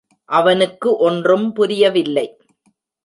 அவனுக்கு ஒன்றும் புரியவில்லை.